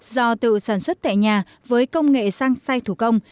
do tự sản xuất tẻ nhà với công nghệ sang say thủ công